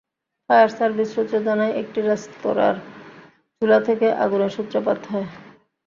Fire service সূত্র জানায়, একটি রেস্তোরাঁর চুলা থেকে আগুনের সূত্রপাত হয়।